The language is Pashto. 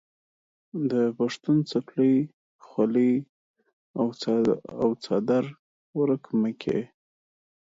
د پښتون څپلۍ، خولۍ او څادر ورک مه کې.